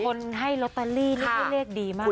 คนให้ลอตเตอรี่นี่เป็นเลขดีมากเลยนะ